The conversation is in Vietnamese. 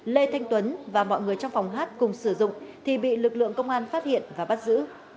lê thanh tuấn và mọi người trong phòng hát cùng sử dụng thì bị lực lượng công an phát hiện và bắt giữ